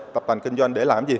tập thành kinh doanh để làm gì